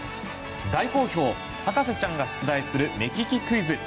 大好評、博士ちゃんが出題する目利きクイズ！